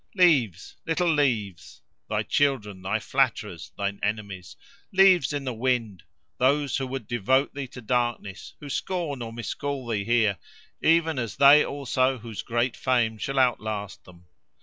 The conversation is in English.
+ Leaves! little leaves!—thy children, thy flatterers, thine enemies! Leaves in the wind, those who would devote thee to darkness, who scorn or miscall thee here, even as they also whose great fame shall outlast them.